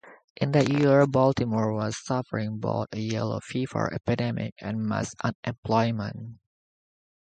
In that year Baltimore was suffering both a yellow fever epidemic and mass unemployment.